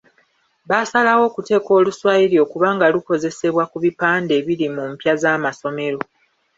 Baasalawo okuteeka Oluswayiri okuba nga lukozesebwa ku bipande ebiri mu mpya z'amasomero.